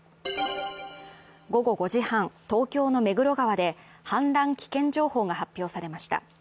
午後５時半、東京の目黒川で氾濫危険情報が発表されました。